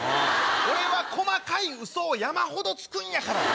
俺は細かいウソを山ほどつくんやから。